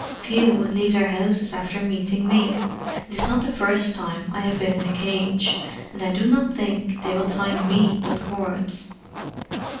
Few would leave their houses after meeting me. It is not the first time I have been in a cage; and I do not think they will tie ME with cords."